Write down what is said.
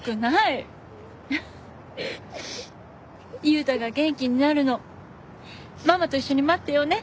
悠太が元気になるのママと一緒に待ってようね。